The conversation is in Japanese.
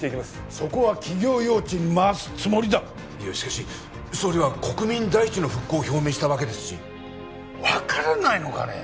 そこは企業用地に回すつもりだいやしかし総理は国民第一の復興を表明したわけですし分からないのかね